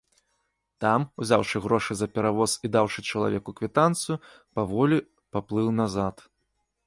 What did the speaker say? Там, узяўшы грошы за перавоз і даўшы чалавеку квітанцыю, паволі паплыў назад.